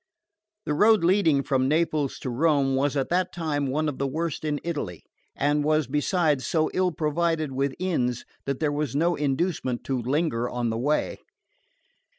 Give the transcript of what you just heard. The road leading from Naples to Rome was at that time one of the worst in Italy, and was besides so ill provided with inns that there was no inducement to linger on the way.